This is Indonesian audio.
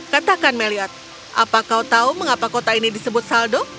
katakan meliad apa kau tahu mengapa kota ini disebut saldo